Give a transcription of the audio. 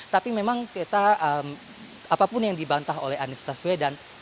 tapi memang kita apapun yang dibantah oleh anies baswedan